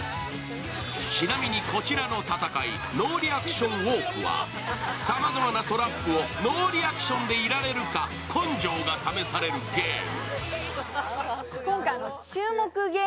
ちなみに、こちらの戦い、ノーリアクションウォークはさまざまなトラップをノーリアクションでいられるか根性が試されるゲーム。